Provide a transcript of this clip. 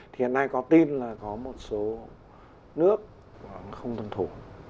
thì hôm nay có tin là có một số nước không tôn thủ